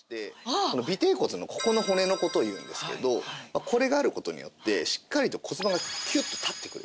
尾てい骨のここの骨の事をいうんですけどこれがある事によってしっかりと骨盤がキュッと立ってくれる。